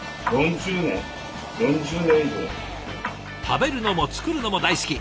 食べるのも作るのも大好き。